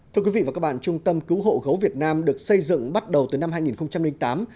thưa quý vị và các bạn trung tâm cứu hộ gấu việt nam được xây dựng bắt đầu từ năm hai nghìn tám